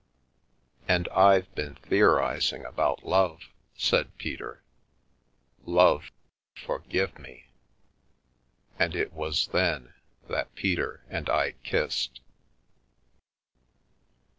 "And I've been theorising about love!" said Peter. " Love, forgive me !" And it was then that Peter and I kissed.